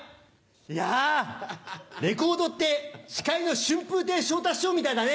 いやレコードって司会の春風亭昇太師匠みたいだね。